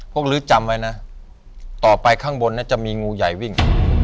พวกฤทธิ์จำไว้นะต่อไปข้างบนน่ะจะมีงูใหญ่วิ่ง